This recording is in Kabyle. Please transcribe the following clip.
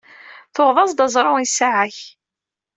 Tuɣeḍ-as-d aẓru i ssaɛa-k.